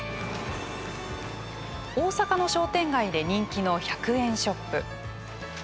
大阪の商店街で人気の１００円ショップ。